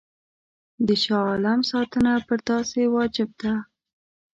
د شاه عالم ساتنه پر تاسي واجب ده.